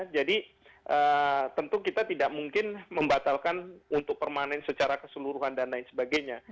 jadi tentu kita tidak mungkin membatalkan untuk permanen secara keseluruhan dan lain sebagainya